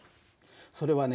それはね